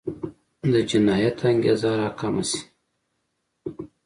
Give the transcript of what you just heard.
د جنایت انګېزه راکمه شي.